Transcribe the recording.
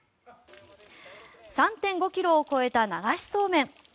３．５ｋｍを超えた流しそうめん。